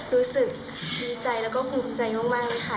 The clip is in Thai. รู้สึกดีใจและก็บุคคลใจมากเลยค่ะ